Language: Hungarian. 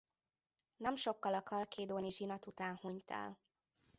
Nem sokkal a khalkédóni zsinat után hunyt el.